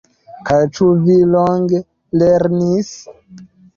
Kaj ĉu vi longe lernis?